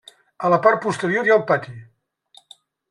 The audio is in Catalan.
A la part posterior hi ha un pati.